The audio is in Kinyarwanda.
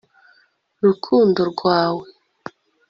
rukundo rwawe